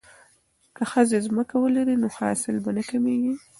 که ښځې ځمکه ولري نو حاصل به نه کمیږي.